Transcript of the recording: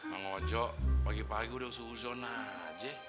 bang ojo pagi pagi udah usuh uson aja